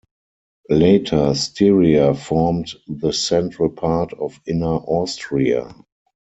Later Styria formed the central part of Inner Austria.